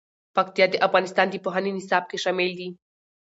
پکتیا د افغانستان د پوهنې نصاب کې شامل دي.